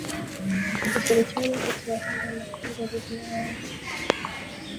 Ushirikiano kati ya Rwanda na Kongo dhidi ya waasi